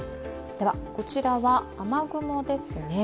こちらは雨雲ですね。